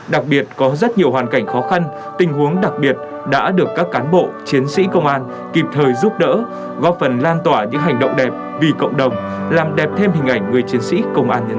đặc biệt có rất nhiều hoàn cảnh khó khăn tình huống đặc biệt đã được các cán bộ chiến sĩ công an kịp thời giúp đỡ góp phần lan tỏa những hành động đẹp vì cộng đồng làm đẹp thêm hình ảnh người chiến sĩ công an nhân dân